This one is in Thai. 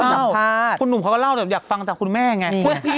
สัมภาษณ์คุณหนุ่มเขาก็เล่าแบบอยากฟังจากคุณแม่ไง